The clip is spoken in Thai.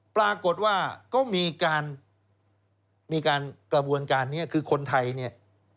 ปรากฏว่าก็มีการกระบวนการนี้คือคนไทยเนี่ย